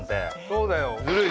そうだよ。